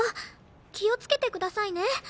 気をつけてくださいね。